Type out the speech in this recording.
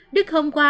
đức hôm qua